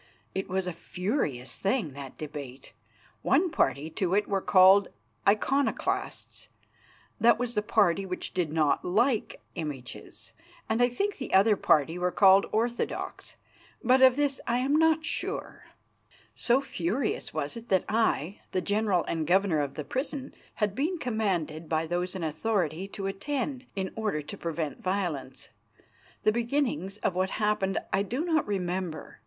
It was a furious thing, that debate. One party to it were called Iconoclasts, that was the party which did not like images, and I think the other party were called Orthodox, but of this I am not sure. So furious was it that I, the general and governor of the prison, had been commanded by those in authority to attend in order to prevent violence. The beginnings of what happened I do not remember.